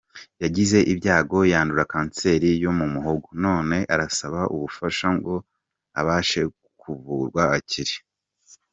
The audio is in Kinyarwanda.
Yagize ibyago yandura kanseri yo mu muhogo none arasaba ubufasha ngo abashe kuvurwa akire.